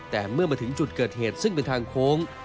แต่เมื่อมาถึงจุดเกิดเหตุซึ่งเป็นทางโค้ง